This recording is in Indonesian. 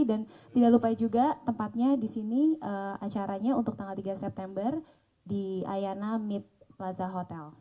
dan tidak lupa juga tempatnya disini acaranya untuk tanggal tiga september di ayana mid plaza hotel